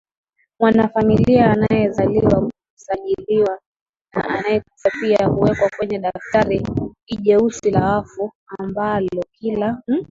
mwanafamilia anayezaliwa husajiliwa na anayekufa pia huwekwa kwenye daftari ljeusi la wafu ambalo kila